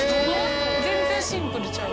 全然シンプルちゃう。